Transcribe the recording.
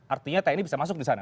artinya tni bisa masuk disana